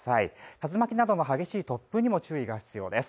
竜巻などの激しい突風にも注意が必要です。